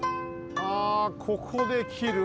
あここできる。